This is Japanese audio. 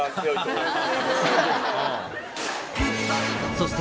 そして